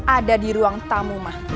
ada di ruang tamu mah